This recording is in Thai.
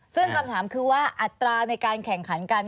ซึ่งคำถามคือว่าอัตราในการแข่งขันกัน